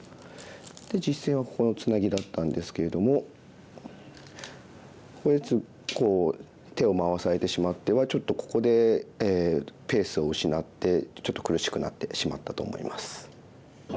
実戦はここのツナギだったんですけれどもここでこう手を回されてしまってはちょっとここでペースを失ってちょっと苦しくなってしまったと思います。